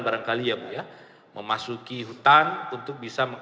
memasuki hutan untuk bisa mengakses satu tempat ke tempat lain